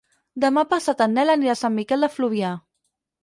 Demà passat en Nel anirà a Sant Miquel de Fluvià.